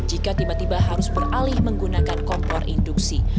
jika tiba tiba harus beralih menggunakan kompor induksi